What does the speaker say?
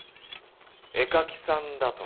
絵描きさんだとか。